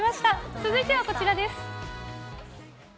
続いてはこちらです。